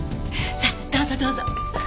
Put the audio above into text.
さあどうぞどうぞ。